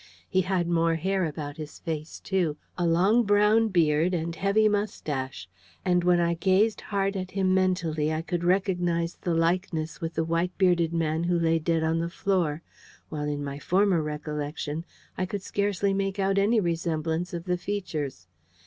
He had more hair about his face, too, a long brown beard and heavy moustache; and when I gazed hard at him mentally, I could recognise the likeness with the white bearded man who lay dead on the floor: while in my former recollection, I could scarcely make out any resemblance of the features.